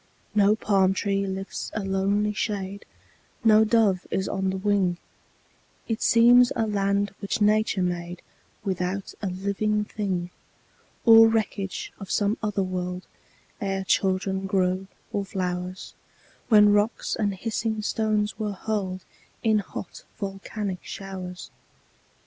No palm tree lifts a lonely shade, No dove is on the wing; It seems a land which Nature made Without a living thing, Or wreckage of some older world, Ere children grew, or flowers, When rocks and hissing stones were hurled In hot, volcanic showers.